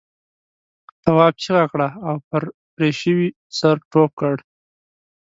تواب چیغه کړه او پر پرې شوي سر ټوپ کړ.